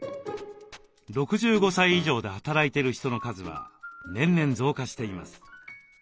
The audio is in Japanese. ６５歳以上で働いてる人の数は年々増加しています。